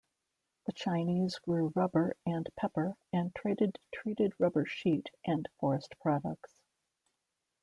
The Chinese grew rubber and pepper and traded treated rubber sheet and forest products.